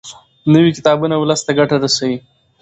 نوي کتابونه ولس ته ګټه رسوي.